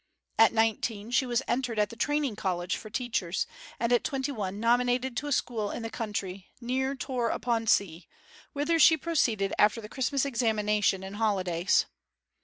At nineteen she was entered at the Training College for Teachers, and at twenty one nominated to a school in the country, near Tor upon Sea, whither she proceeded after the Christmas examination and holidays.